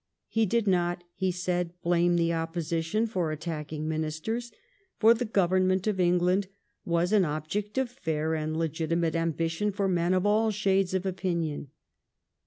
He did not, he said, blame the Opposition for attacking Ministers ; for the gOTcrnment of England was an object of fair and legitimate ambition for men of all shades of opinion.